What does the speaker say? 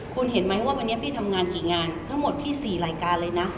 คุณเห็นไหมว่าวันนี้พี่ทำงานกี่งานทั้งหมดพี่๔รายการเลยนะ